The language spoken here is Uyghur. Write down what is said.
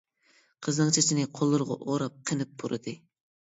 قىزنىڭ چېچىنى قوللىرىغا ئوراپ قېنىپ پۇرىدى.